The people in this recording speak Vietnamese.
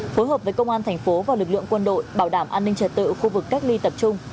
phối hợp với công an thành phố và lực lượng quân đội bảo đảm an ninh trật tự khu vực cách ly tập trung